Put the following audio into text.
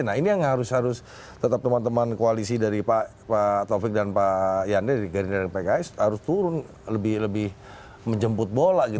nah ini yang harus tetap teman teman koalisi dari pak taufik dan pak yane dari pki harus turun lebih menjemput bola gitu